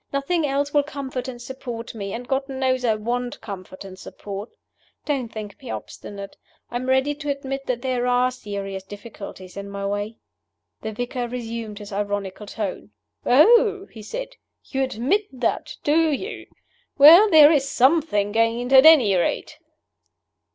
"Nothing else will comfort and support me; and God knows I want comfort and support. Don't think me obstinate. I am ready to admit that there are serious difficulties in my way." The vicar resumed his ironical tone. "Oh!" he said. "You admit that, do you? Well, there is something gained, at any rate."